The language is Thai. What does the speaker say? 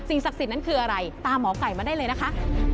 ศักดิ์สิทธิ์นั้นคืออะไรตามหมอไก่มาได้เลยนะคะ